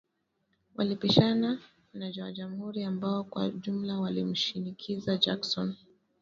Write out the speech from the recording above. Walipishana na wajamhuri ambao kwa ujumla walimshinikiza Jackson.